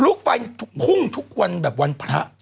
ลูกไฟพุ่งทุกวันแบบวันพระ